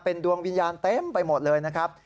ดวงวิญญาณเต็มไปหมดเลยนะครับ